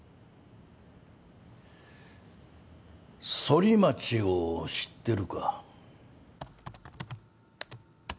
ソリマチを知ってるか？